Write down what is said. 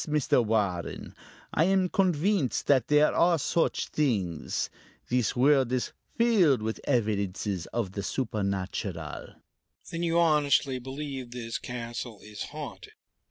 "Yes, Mr. Warren, I am convinced that there are such things. This world is filled with evidences of the supernatural." "Then you honestly believe this castle is haunted?"